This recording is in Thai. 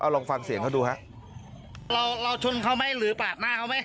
เอาลองฟังเสียงเขาดูครับ